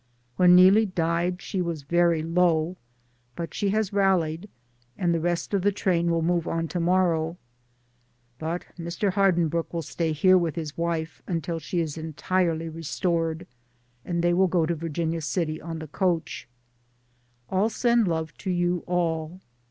When Neelie died she was very low, but she has rallied, and the rest of the train will move on to morrow. But Mr. Hardinbrooke will stay here with his wife until she is entirely restored, and they will go to Virginia City on the coach. All send 268 DAYS ON THE ROAD. love to you all.